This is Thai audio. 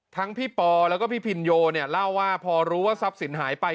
ทั้งพี่ปอและพี่พินโยเล่าว่าพอรู้ว่าทรัพย์สินหายไป